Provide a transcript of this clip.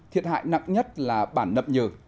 thiệt hại nặng nhất là bản nậm nhừ